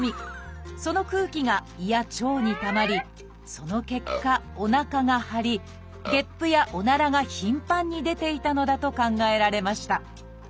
その空気が胃や腸にたまりその結果おなかが張りゲップやおならが頻繁に出ていたのだと考えられました。